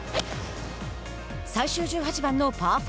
最終１８番のパー４。